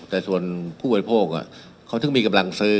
แต่ส่วนผู้บริโภคเขาถึงมีกำลังซื้อ